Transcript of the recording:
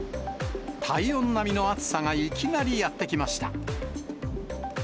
体温並みの暑さがいきなりやって来ました。